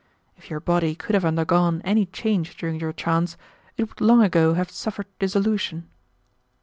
If your body could have undergone any change during your trance, it would long ago have suffered dissolution."